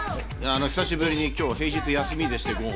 久しぶりに平日休みでして、午後。